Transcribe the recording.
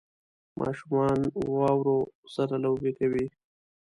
ماشومان واورو سره لوبې کوي